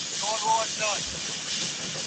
ښار پالنه عصبیت له منځه وړي.